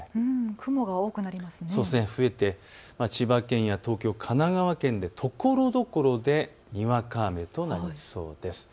雲が増えて千葉県や東京、神奈川県でところどころでにわか雨となりそうです。